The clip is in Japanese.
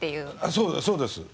そうですそうです。